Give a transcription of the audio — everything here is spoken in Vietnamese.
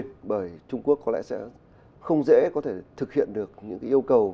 vì vậy trung quốc có lẽ sẽ không dễ có thể thực hiện được những yêu cầu